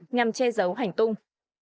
nhằm che giấu hành tung